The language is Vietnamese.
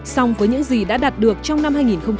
song với những gì đã đạt được trong năm hai nghìn một mươi tám